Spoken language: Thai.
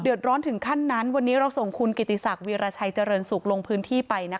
เดือดร้อนถึงขั้นนั้นวันนี้เราส่งคุณกิติศักดิราชัยเจริญสุขลงพื้นที่ไปนะคะ